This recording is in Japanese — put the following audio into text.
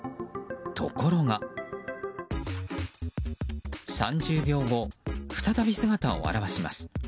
ところが、３０秒後再び姿を現します。